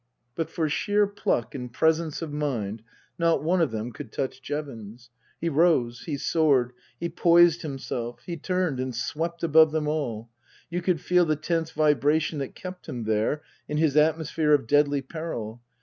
But for sheer pluck and presence of mind not one of them could touch Jevons. He rose, he soared, he poised himself, he turned and swept above them ; you could feel the tense vibration that kept him there, in his atmosphere of deadly peril.